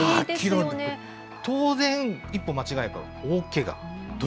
当然、一歩間違えれば、大けが。